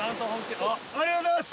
ありがとうございます。